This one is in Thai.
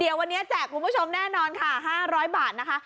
เดี๋ยววันนี้แจกคุณผู้ชมแน่นอนค่ะ๕๐๐บาทนะคะ